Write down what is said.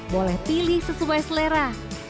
boleh pilih sesuai selera